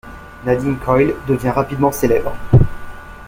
Nadine Coyle devient rapidement célèbre.